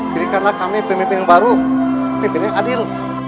pilihkanlah kami pemimpin baru pemimpin yang adil